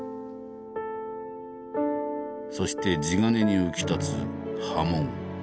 そして地鉄に浮き立つ刃文。